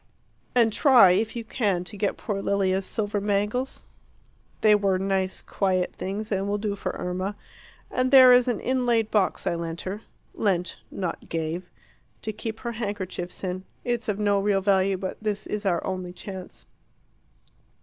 And try, if you can, to get poor Lilia's silver bangles. They were nice quiet things, and will do for Irma. And there is an inlaid box I lent her lent, not gave to keep her handkerchiefs in. It's of no real value; but this is our only chance.